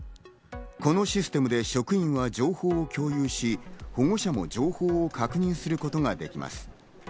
このシステムで職員は情報を共有し、保護者も情報を確認することができます。